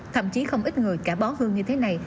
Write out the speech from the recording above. thậm chí không ít người cả bó hương như thế này